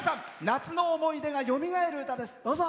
夏の思い出がよみがえる歌です。